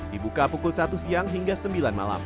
dibuka pukul satu siang hingga sembilan malam